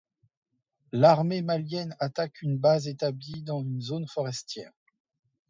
L'armée malienne attaque une base établie dans une zone forestière.